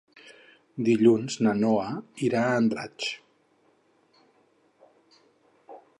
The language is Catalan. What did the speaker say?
Dilluns na Noa irà a Andratx.